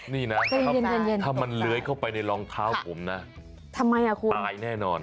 นี่นะถ้ามันเลื้อยเข้าไปในรองเท้าผมนะทำไมอ่ะคุณตายแน่นอน